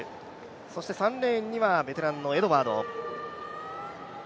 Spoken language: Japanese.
そして３レーンにはベテランのエドワード。